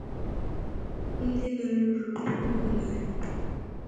Ndi na ruru ukwu na ya.